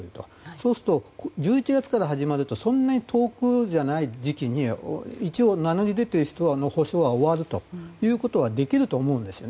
そうすると１１月から始まるとそんなに遠くない時期に一応、名乗り出ている人の補償は終わるということはできると思うんです。